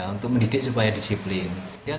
untuk mendidik supaya disiplin